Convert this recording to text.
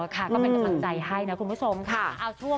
อ๋อค่ะก็เป็นปัจจัยให้นะคุณผู้ชมค่ะ